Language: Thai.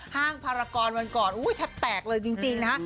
ห้างพารกรวันก่อนแทบเลยจริงนะ